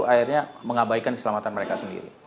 akhirnya mengabaikan keselamatan mereka sendiri